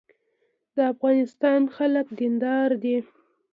د افغانستان خلک دیندار دي